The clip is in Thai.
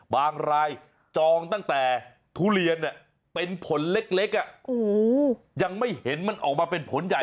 รายจองตั้งแต่ทุเรียนเป็นผลเล็กยังไม่เห็นมันออกมาเป็นผลใหญ่